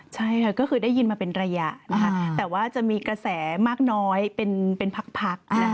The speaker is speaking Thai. ใช่ค่ะก็คือได้ยินมาเป็นระยะนะคะแต่ว่าจะมีกระแสมากน้อยเป็นพัก